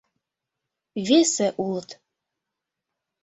Весе улыт.